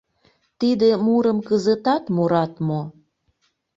Тиде мурым кызытат мурат мо?